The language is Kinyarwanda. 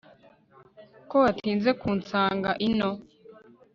ko watinze kunsanga ino